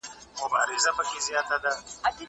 مېوې د مور له خوا وچول کيږي؟!